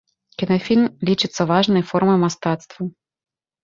Кінафільм лічыцца важнай формай мастацтва.